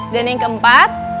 dan yang keempat